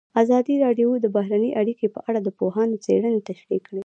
ازادي راډیو د بهرنۍ اړیکې په اړه د پوهانو څېړنې تشریح کړې.